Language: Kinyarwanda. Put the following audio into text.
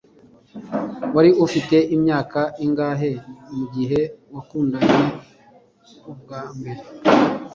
Wari ufite imyaka ingahe mugihe wakundanye bwa mbere